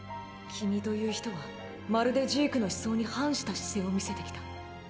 君という人はまるでジークの思想に反した姿勢を見せてきた。